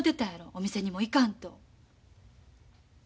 お店にも行かんと。